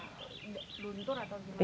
luntur atau gimana